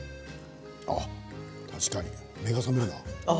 確かに目が覚める。